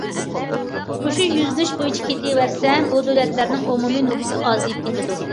مۇشۇ يۈزلىنىش بويىچە كېتىۋەرسە، بۇ دۆلەتلەرنىڭ ئومۇمىي نوپۇسى ئازىيىپ كېتىدۇ.